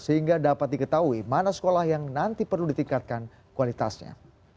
sehingga dapat diketahui mana sekolah yang nanti perlu ditingkatkan kualitasnya